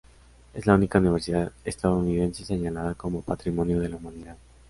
Es la única universidad estadounidense señalada como Patrimonio de la Humanidad.